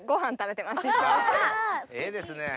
ええですね。